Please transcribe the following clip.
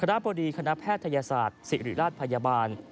รับบดีคณะแพทยศาสตร์ศิริราชพยาบาล